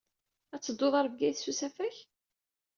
Ad teddud ɣer Bgayet s usafag?